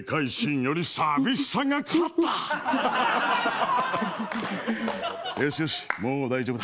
よしよし、もう大丈夫だ。